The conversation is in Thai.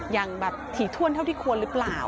อย่างแบบถี่ถ้วนเท่าที่ควรหรือเปล่า